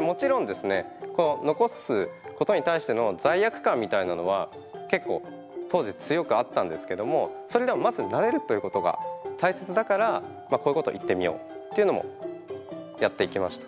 もちろんですね残すことに対しての罪悪感みたいなのは結構当時強くあったんですけどもそれでもまず慣れるということが大切だからこういうこと行ってみようっていうのもやっていきました。